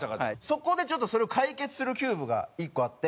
そこでちょっとそれを解決するキューブが１個あって。